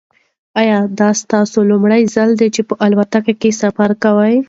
ایا دا ستاسو لومړی ځل دی چې په الوتکه کې سفر کوئ؟